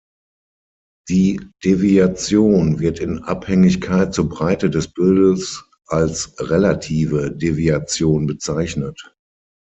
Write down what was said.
Die Deviation wird in Abhängigkeit zur Breite des Bildes als relative Deviation bezeichnet.